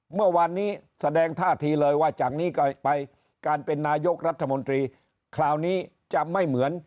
เมื่อวานนี้แสดงท่าทีเลยว่าจากนี้ไปการเป็นนายกรัฐมนตรีคราวนี้จะไม่เหมือน